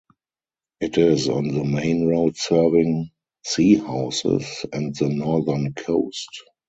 It is on the main road serving Seahouses and the northern coast.